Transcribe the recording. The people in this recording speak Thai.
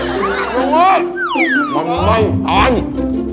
เห้ยร้านสุดท้ายมันยกกว่าเรา